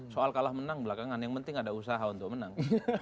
soal kalah menang belakangan yang penting ada usaha untuk menang